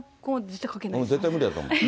絶対無理だと思う。